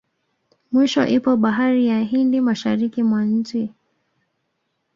Mwisho ipo bahari ya Hindi mashariki mwa nchi